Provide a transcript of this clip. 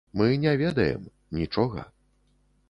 Мы не ведаем, нічога.